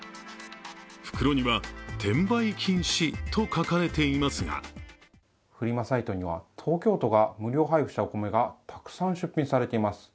袋には「転売禁止」と書かれていますがフリマサイトには東京都が無料配布したお米がたくさん出品されています。